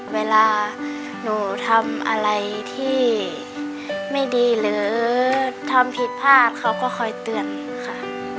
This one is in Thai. เวลาหนูทำอะไรที่ไม่ดีหรือทำผิดพลาดเขาก็คอยเตือนค่ะ